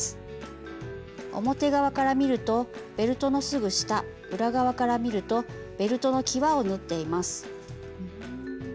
表側から見るとベルトのすぐ下裏側から見るとベルトのきわを縫っています。